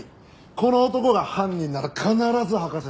この男が犯人なら必ず吐かせてみせます。